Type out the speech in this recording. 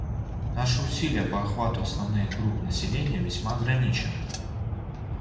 Наши усилия по охвату основных групп населения весьма ограничены.